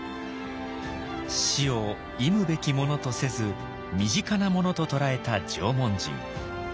死を忌むべきものとせず身近なものと捉えた縄文人。